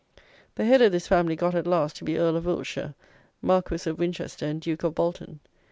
The head of this family got, at last, to be Earl of Wiltshire, Marquis of Winchester, and Duke of Bolton.